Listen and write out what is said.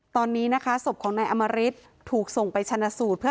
ตอนนี้นะคะศพของนายอมริตถูกส่งไปชนะสูตรเพื่อ